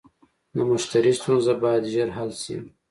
د مشتری ستونزه باید ژر حل شي.